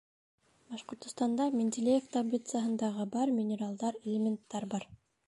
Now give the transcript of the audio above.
— Башҡортостанда Менделеев таблицаһындағы бар минералдар, элементтар бар.